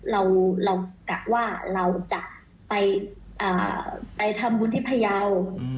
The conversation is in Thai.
เรากะว่าเราจะไปทำบุญที่พยาว